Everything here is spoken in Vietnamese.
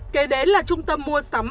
kể đến là trung tâm mua sắm